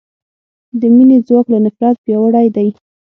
د مینې ځواک له نفرت پیاوړی دی.